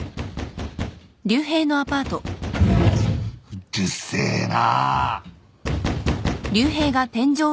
・うるせえな！